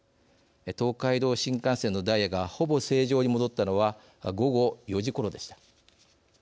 東海道新幹線のダイヤがほぼ正常に戻ったのは午後４時ころでした。